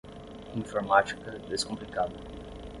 Informática descomplicada